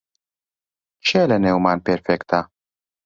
کێ لەنێومان پێرفێکتە؟